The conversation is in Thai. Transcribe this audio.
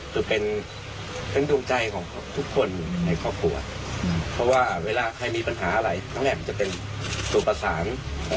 แต่ว่าก็เป็นดวงใจของทุกคนในครอบครัวเพราะเวลาใครมีปัญหาอะไรก็จะเป็นสูตรประสาน